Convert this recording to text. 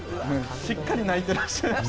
しっかり泣いてらっしゃいました。